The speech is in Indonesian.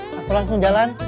kasih langsung jalan